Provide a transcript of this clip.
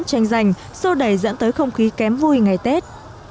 tranh giành sâu đầy dẫn tới không khí kém vui ngày tết